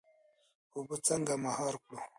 اوبه څنګه مهار کړو؟